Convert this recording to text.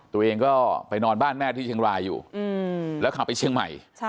ตัวเองก็ไปนอนบ้านแม่ที่เชียงรายอยู่แล้วขับไปเชียงใหม่